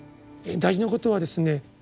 大事なことはですね